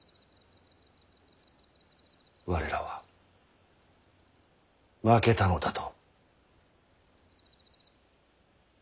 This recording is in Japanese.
我らは負けたのだと。